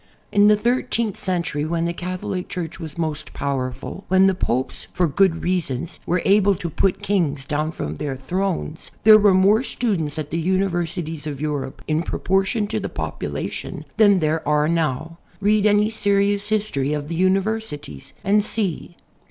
In the thirteenth century, when the Catholic Church was most powerful, when the Popes for good reasons. were able to put kings down from their thrones, there were more students at the universities of Euroi)e, in proportion to the population, than there are now. Read any serious history of the universities and see.